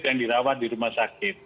yang dirawat di rumah sakit